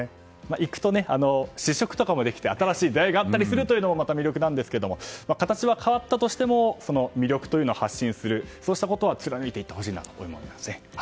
行くと試食とかもできて新しい出会いがあるのもまた魅力なんですけれども形は変わったとしても魅力を発信するそういったことは貫いてほしいなと思います。